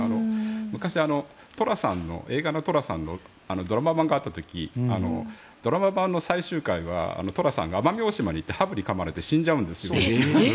昔、映画の「寅さん」のドラマ版があった時ドラマ版の最終回は寅さんが奄美大島に行ってハブにかまれて死んじゃうんですよ。